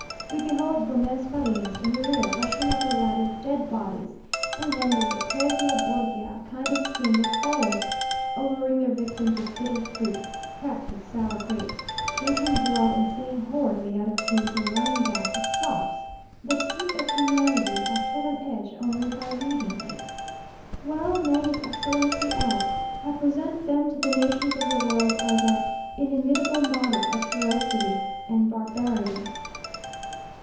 We behold Gomez Farias and Urrea rushing up a ladder of dead bodies. And then the Lucrezia Borgia kind of scene that follows! alluring their victims with bitter fruit (perhaps with sour grapes), drinking blood, and singing horridly out of tune to a running bass of sobs! The teeth of humanity are set on edge only by reading it. Well may his Excellency add "I present them to the nations of the world as an inimitable model of ferocity and barbarity!"